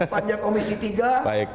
panjang komisi tiga